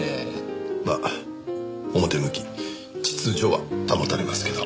まあ表向き秩序は保たれますけど。